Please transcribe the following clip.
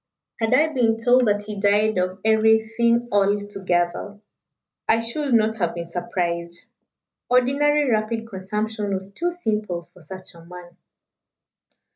Had I been told that he died of everything all together, I should not have been surprised. Ordinary rapid consumption was too simple for such a man."